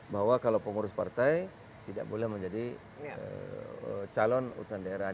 bahwa kalau pengurus partai tidak boleh menjadi calon utusan daerah